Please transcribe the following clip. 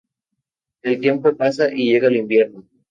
El tiempo pasa y llega el invierno.